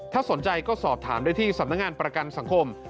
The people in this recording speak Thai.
ถ้าสนใจก็สอบถามได้ที่สำนักงานประกันสังคม